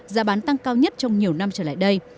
giá bán tăng cao nhất trong nhiều năm trở lại đây